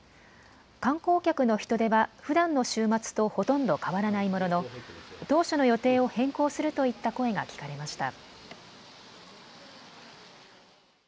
観光客の人出はふだんの週末とほとんど変わらないものの当初の予定を変更するといった声が聞かれました。